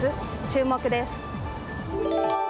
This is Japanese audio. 注目です。